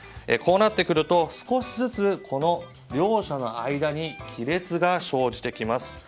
こうなってくると少しずつ両者の間に亀裂が生じてきます。